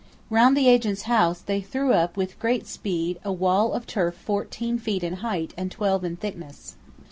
Round the agent's house they threw up with great speed a wall of turf fourteen feet in height and twelve in thickness.